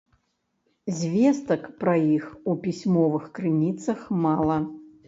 Звестак пра іх у пісьмовых крыніцах мала.